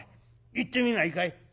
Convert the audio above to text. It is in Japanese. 行ってみないかい？」。